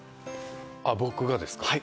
僕がですか。